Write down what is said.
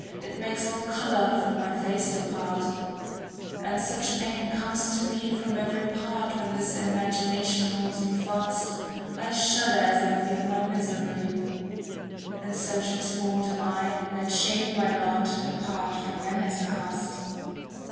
It makes all colour from my face depart; And such pain comes to me from every part When this imagination holds me fast, ^ I shudder as I feel my misery; And so transformed am I, That shame my lot apart from men has cast.